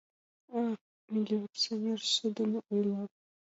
А! — милиционер шыдын ойла.